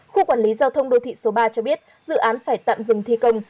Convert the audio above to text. khu quản lý giao thông đô thị số ba cho biết dự án phải tạm dừng thi công